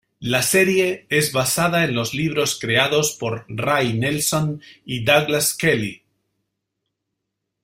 La serie es basada en los libros creados por Ray Nelson y Douglas Kelly.